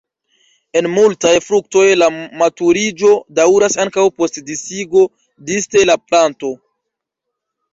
En multaj fruktoj la maturiĝo daŭras ankaŭ post disigo disde la planto.